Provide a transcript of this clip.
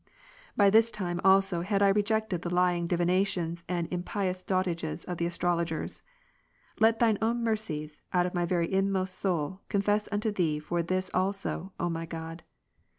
[VL] 8, By this time also had I rejected the lying divina tions and impious dotages of the astrologers. LQ,tTliine own Ps. lOfi, mercies, out of my very inmost soul, confess unto Thee for ^'^"^' this also, O my God.